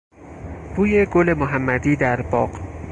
بوی گل محمدی در باغ